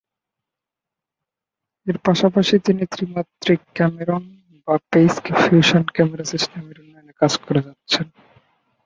এর পাশাপাশি তিনি ত্রিমাত্রিক ক্যামেরন/পেইস ফিউশন ক্যামেরা সিস্টেমের উন্নয়নে কাজ করে যাচ্ছেন।